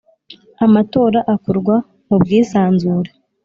Amatora akorwa m’ ubwisanzure